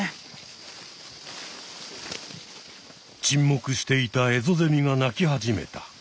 ちんもくしていたエゾゼミが鳴き始めた。